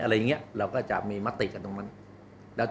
เราก็จะมีมัตติกันตรงมันแล้วจะแจ้งไป